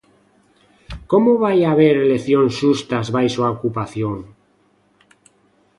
Como vai haber eleccións xustas baixo a ocupación?